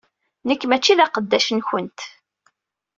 Nekk mačči d aqeddac-nkent!